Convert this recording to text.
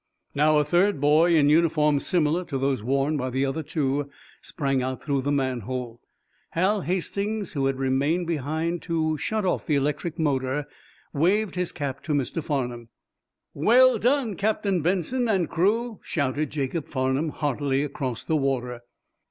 Now, a third boy, in uniform similar to those worn by the other two, sprang out through the manhole. Hal Hastings, who had remained behind to shut off the electric motor, waved his cap to Mr. Farnum. "Well done, Captain Benson and crew!" shouted Jacob Farnum, heartily, across the water.